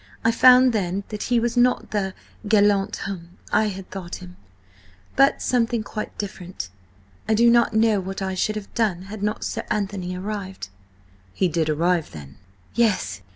I found then that he was not the galant homme I had thought him, but something quite different. I do not know what I should have done had not Sir Anthony arrived." "He did arrive then?" "Yes.